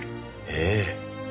ええ。